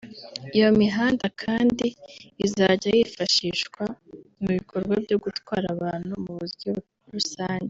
Iyo mihanda kandi izajya yifashishwa mu bikorwa byo gutwara abantu mu buryo rusange